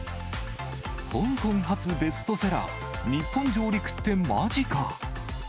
香港発ベストセラー、日本上陸ってまじか。